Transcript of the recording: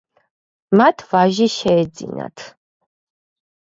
მათ ვაჟი შეეძინათ.